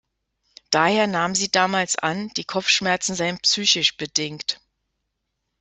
Daher nahm sie damals an, die Kopfschmerzen seien psychisch bedingt.